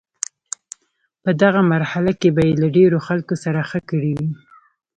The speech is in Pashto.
په دغه مرحله کې به یې له ډیرو خلکو سره ښه کړي وي.